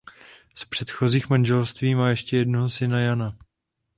Z předchozích manželství má ještě jednoho syna Jana.